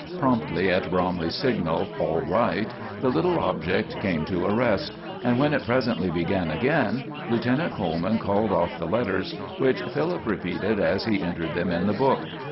Promptly at Bromley's signal "All right," the little object came to a rest; and when it presently began again, Lieutenant Coleman called off the letters, which Philip repeated as he entered them in the book.